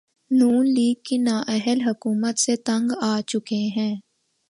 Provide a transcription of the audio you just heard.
نون league کی نااہل حکومت سے تنگ آچکے ہیں